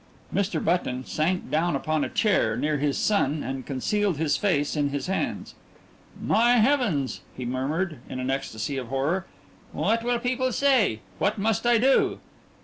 Mr. Button, sank down upon a chair near his son and concealed his face in his hands. "My heavens!" he murmured, in an ecstasy of horror. "What will people say? What must I do?"